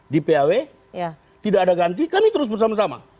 di paw tidak ada ganti kami terus bersama sama